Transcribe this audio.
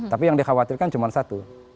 tapi yang dikhawatirkan cuma satu